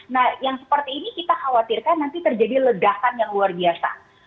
nah yang seperti ini kita khawatirkan nanti terjadi ledakan yang luar biasa